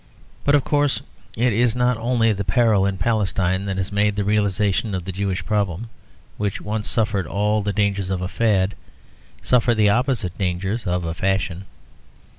But of course it is not only the peril in Palestine that has made the realisation of the Jewish problem, which once suffered all the dangers of a fad, suffer the opposite dangers of a fashion.